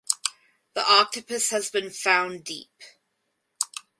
The octopus has been found deep.